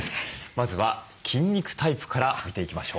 まずは筋肉タイプから見ていきましょう。